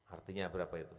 artinya berapa itu satu satu